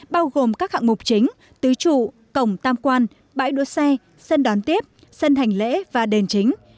bao gồm các hạng mục chính tứ trụ cổng tam quan bãi đỗ xe sân đón tiếp sân hành lễ và đền chính